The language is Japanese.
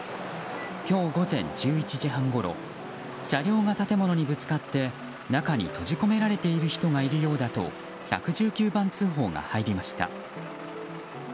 今日午前１１時半ごろ車両が建物にぶつかって中に閉じ込められている人がいるようだと１１９番通報が入りました。